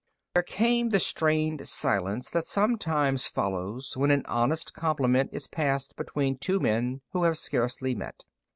There came the strained silence that sometimes follows when an honest compliment is passed between two men who have scarcely met.